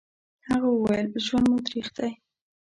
هغه وويل: ژوند مو تريخ دی.